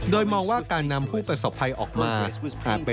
โดยมองว่าการนำผู้ประสบภัยออกมา